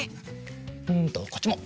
うんとこっちも。